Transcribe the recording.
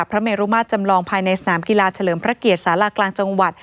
พระเมรุมาตรจำลองภายในสนามกีฬาเฉลิมพระเกียรติศาลากลางจังหวัด